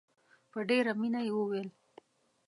په ډېره مینه یې وویل.